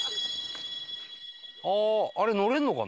あああれ乗れるのかな？